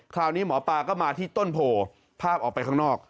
คราวนี้หมอปลาก็มาที่ต้นโพภาพออกไปข้างนอก